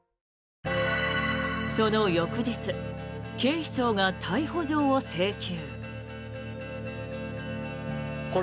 その翌日警視庁が逮捕状を請求。